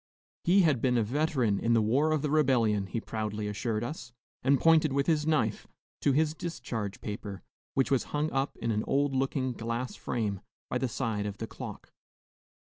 He had been a veteran in the War of the Rebellion, he proudly assured us, and pointed with his knife to his discharge paper, which was hung up in an old looking glass frame by the side of the clock.